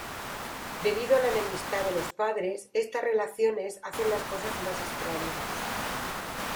Debido a la enemistad de los padres, estas relaciones hacen las cosas más extrañas.